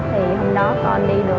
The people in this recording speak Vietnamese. thì hôm đó con đi được